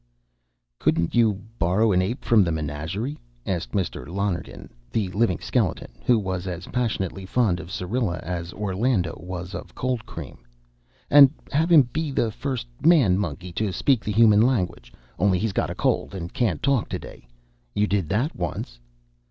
"Couldn't you borry an ape from the menagerie?" asked Mr. Lonergan, the Living Skeleton, who was as passionately fond of Syrilla as Orlando was of cold cream. "And have him be the first man monkey to speak the human language, only he's got a cold and can't talk to day? You did that once."